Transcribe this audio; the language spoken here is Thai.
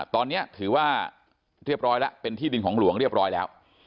ตอนนี้ถือว่าเรียบร้อยแล้วเป็นที่ดินของหลวงเรียบร้อยแล้ว